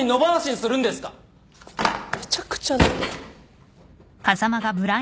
めちゃくちゃだ。